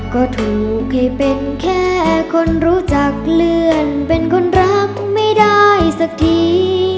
ก็ถูกให้เป็นแค่คนรู้จักเลื่อนเป็นคนรักไม่ได้สักที